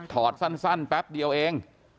อดสั้นแป๊บเดียวเอง